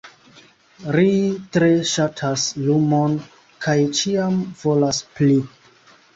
Ri tre ŝatas lumon, kaj ĉiam volas pli.